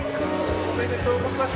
おめでとうございます。